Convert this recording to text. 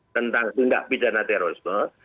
tentang tindak pijana terorisme